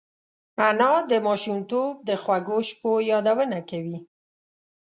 انا د ماشومتوب د خوږو شپو یادونه کوي